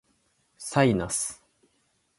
サイナス